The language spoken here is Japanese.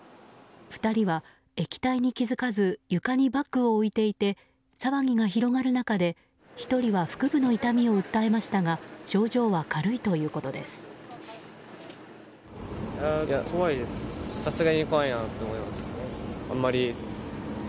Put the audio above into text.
２人は液体に気付かず床にバッグを置いていて騒ぎが広がる中で１人は腹部の痛みを訴えましたが症状は軽いということです。